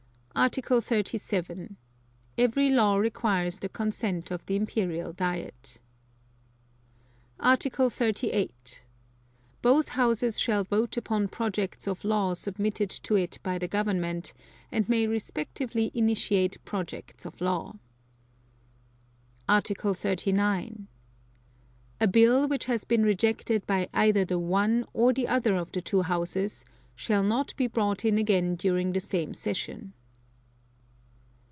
Article 37. Every law requires the consent of the Imperial Diet. Article 38. Both Houses shall vote upon projects of law submitted to it by the Government, and may respectively initiate projects of law. Article 39. A Bill, which has been rejected by either the one or the other of the two Houses, shall not be brought in again during the same session.